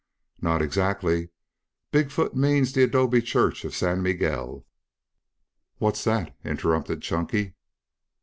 "Not exactly. Big foot means the adobe church of San Miguel." "What's that?" interrupted Chunky.